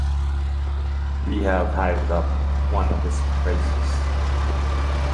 We have hived up one of his phrases.